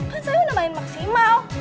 kamu sudah main maksimal